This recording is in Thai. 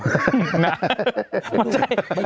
มันใช่